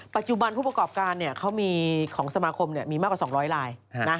ปัจจุบันผู้ประกอบการเขามีของสมาคมมีมากกว่า๒๐๐ลาย